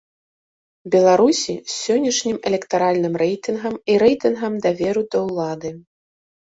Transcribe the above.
Беларусі сённяшнім электаральным рэйтынгам і рэйтынгам даверу да ўлады.